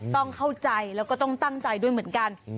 ต้องเข้าใจแล้วก็ต้องตั้งใจด้วยเหมือนกัน